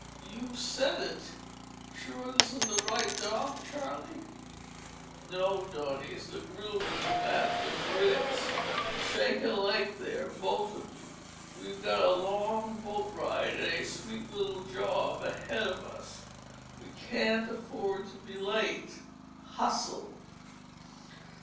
"You said it.—Sure this is the right dock, Charlie?" "No, Donny, it's the grill room of the Ritz—shake a leg there, both of you. We've got a long boat ride and a sweet little job ahead of us. We can't afford to be late—hustle!"